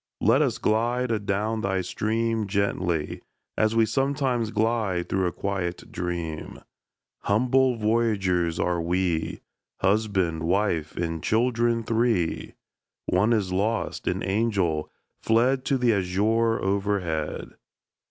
Let us glide adown thy stream Gently as we sometimes glide Through a quiet dream! Humble voyagers are we, Husband, wife, and children three (One is lost an angel, fled To the azure overhead!)